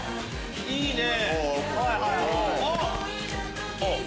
いいね！